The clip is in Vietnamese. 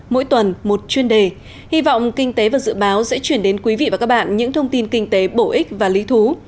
mỗi tuần một chuyên đề hy vọng kinh tế và dự báo sẽ chuyển đến quý vị và các bạn những thông tin kinh tế bổ ích và lý thú